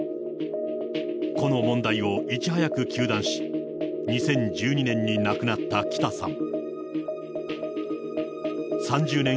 この問題をいち早く糾弾し、２０１２年に亡くなった北さん。